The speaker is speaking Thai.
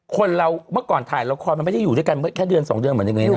คนเราเมื่อก่อนถ่ายละครมันไม่ได้อยู่ด้วยกันแค่เดือนสองเดือนเหมือนอย่างนี้นะ